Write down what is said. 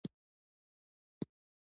د پیسو چاپ هم نتیجه ور نه کړه.